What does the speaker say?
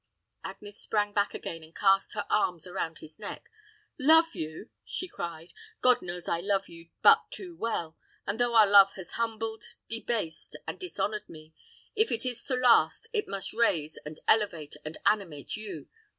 Agnes sprang back again, and cast her arms around his neck. "Love you!" she cried; "God knows I love you but too well; and though our love has humbled, debased, and dishonored me, if it is to last, it must raise, and elevate, and animate you.